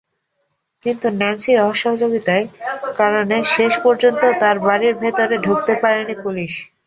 কিন্তু ন্যান্সির অসহযোগিতার কারণে শেষ পর্যন্ত তাঁর বাড়ির ভেতরে ঢুকতে পারেনি পুলিশ।